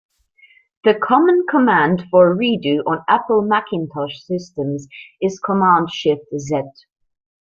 The common command for Redo on Apple Macintosh systems is Command-Shift-Z.